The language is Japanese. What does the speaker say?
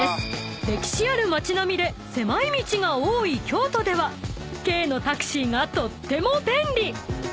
歴史ある街並みで狭い道が多い京都では軽のタクシーがとっても便利］